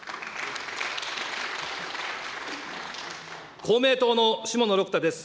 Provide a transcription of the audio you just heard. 公明党の下野六太です。